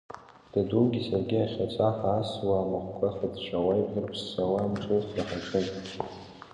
Дадугьы саргьы ахьаца ҳаасуа, амахәқәа хыҵәҵәауа, ибӷьырԥссауа, амҿылхра ҳаҿын.